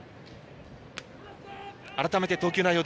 改めて投球内容